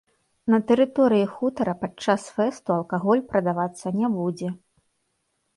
На тэрыторыі хутара падчас фэсту алкаголь прадавацца не будзе.